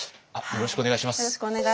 よろしくお願いします。